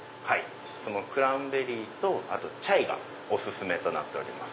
クランベリーとチャイがお薦めとなっております。